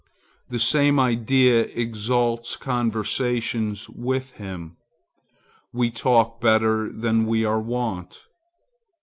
The same idea exalts conversation with him. We talk better than we are wont.